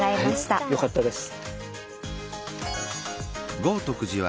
はいよかったです。